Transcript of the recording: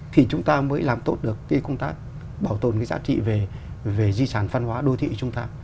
thì chúng ta mới làm tốt được khi chúng ta bảo tồn cái giá trị về di sản phân hóa đô thị chúng ta